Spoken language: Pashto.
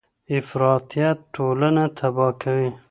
افراطیت ټولنه تباه کوي.